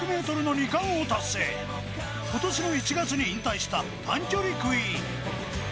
今年の１月に引退した短距離クイーン